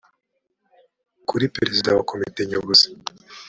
kuri perezida wa komite nyobozi